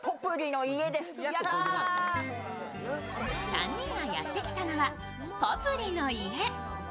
３人がやって来たのはポプリの舎。